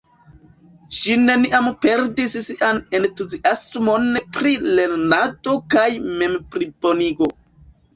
Ŝi neniam perdis sian entuziasmon pri lernado kaj memplibonigo.